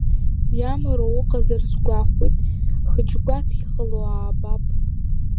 Иамароу ыҟазар сгәахәуеит, Хыџьгәаҭ, иҟало аабап.